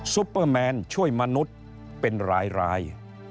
ซุปเปอร์แมนช่วยมนุษย์เป็นราย